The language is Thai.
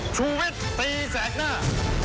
ชุวิตตีแสดหน้า